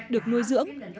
được nuôi dưỡng